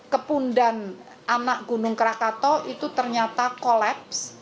kepundan anak gunung krakato itu ternyata kolaps